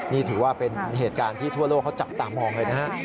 นี่ถือว่าเป็นเหตุการณ์ที่ทั่วโลกเขาจับตามองเลยนะฮะ